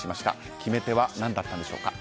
決め手は何だったんでしょうか。